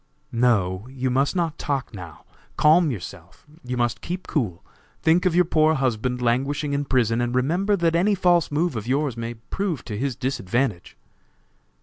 "No! You must not talk now. Calm yourself! You must keep cool! Think of your poor husband languishing in prison, and remember that any false move of yours may prove to his disadvantage."